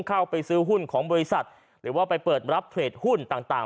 เข้าไปซื้อหุ้นของบริษัทหรือว่าไปเปิดรับเทรดหุ้นต่าง